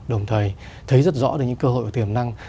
đồng thời thấy rất rõ được những cơ hội và tiềm năng